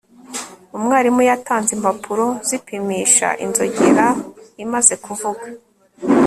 umwarimu yatanze impapuro zipimisha inzogera imaze kuvuza